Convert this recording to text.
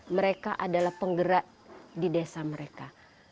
mereka adalah penggerak di desa mereka